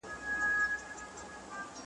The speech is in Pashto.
شپې که هر څومره اوږدې وي عاقبت به لمر ځلیږي ,